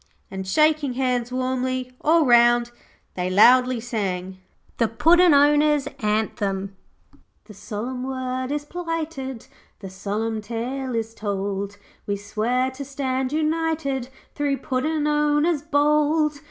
And, shaking hands warmly all round, they loudly sang THE PUDDIN' OWNERS' ANTHEM 'The solemn word is plighted, The solemn tale is told, We swear to stand united, Three puddin' owners bold.